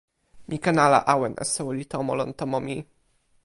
mi ken ala awen e soweli tomo lon tomo mi.